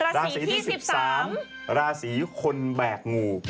ราศีที่๑๓ราศีคนแบกงู